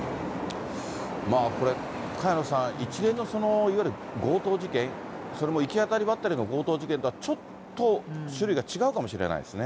まあこれ、萱野さん、一連のいわゆる強盗事件、それも行き当たりばったりの強盗事件とは、ちょっと種類が違うかもしれないですね。